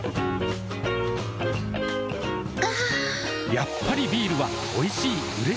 やっぱりビールはおいしい、うれしい。